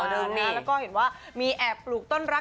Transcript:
เดิมนี้แล้วก็เห็นว่ามีแอบปลูกต้นรัก